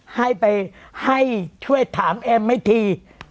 ให้ไปช่วยถามเอ็มให้ที